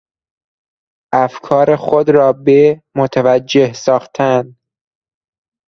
افکار خود را به... متوجه ساختن